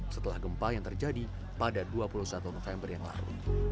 setelah gempa yang terjadi pada dua puluh satu november yang lalu